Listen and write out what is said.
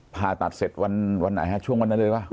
ผ่าตัดเสร็จวันไหนฮะช่วงวันนั้นเลยป่ะ